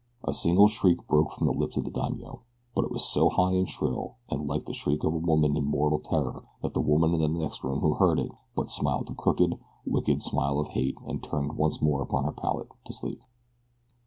A single shriek broke from the lips of the daimio; but it was so high and shrill and like the shriek of a woman in mortal terror that the woman in the next room who heard it but smiled a crooked, wicked smile of hate and turned once more upon her pallet to sleep.